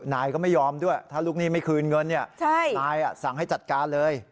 นายก็ไม่ยอมด้วยถ้าลูกหนี้ไม่คืนเงินนายสั่งให้จัดการเลย